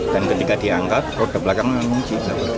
dan ketika diangkat roda belakang nggak ngunci